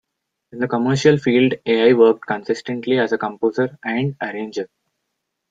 In the Commercial Field Al worked consistently as a composer and arranger.